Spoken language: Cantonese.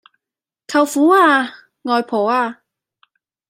舅父呀！外婆呀！